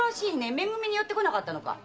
め組に寄ってこなかったのか？